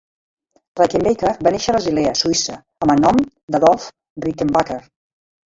Rickenbacker va néixer a Basilea, Suïssa, amb el nom d'Adolf Rickenbacher.